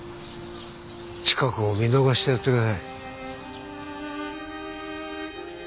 チカ子を見逃してやってください。